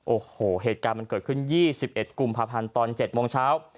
โอ้โหเหตุการณ์มันเกิดขึ้น๒๑กุมภาพันธ์ตอน๗โมงเช้า